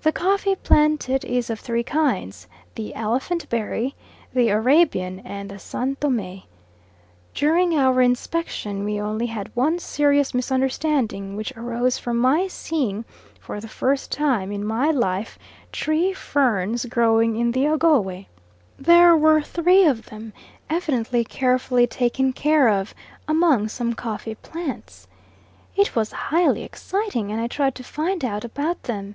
The coffee planted is of three kinds, the Elephant berry, the Arabian, and the San Thome. During our inspection, we only had one serious misunderstanding, which arose from my seeing for the first time in my life tree ferns growing in the Ogowe. There were three of them, evidently carefully taken care of, among some coffee plants. It was highly exciting, and I tried to find out about them.